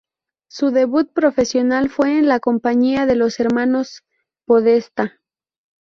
Su debut profesional fue en la compañía de los hermanos Podestá.